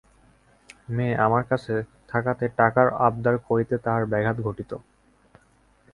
মেয়ে আমার কাছে থাকাতে টাকার আবদার করিতে তাহার ব্যাঘাত ঘটিত।